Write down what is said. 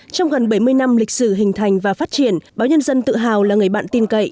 trong gần bảy mươi năm lịch sử hình thành và phát triển báo nhân dân tự hào là người bạn tin cậy